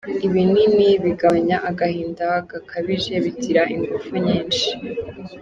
Ibinini bigabanya agahinda gakabije bigira ingufu nyinshi.